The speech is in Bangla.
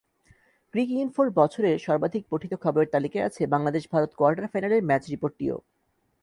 ক্রিকইনফোর বছরের সর্বাধিক পঠিত খবরের তালিকায় আছে বাংলাদেশ-ভারত কোয়ার্টার ফাইনালের ম্যাচ রিপোর্টটিও।